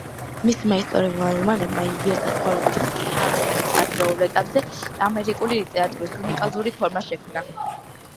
მისმა ისტორიულმა რომანებმა ინდიელთა ცხოვრების შესახებ ამერიკის ადრეულ ეტაპებზე ამერიკული ლიტერატურის უნიკალური ფორმა შექმნა.